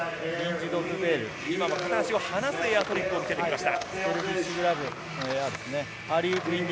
片足を離すエアトリックを見せてきました。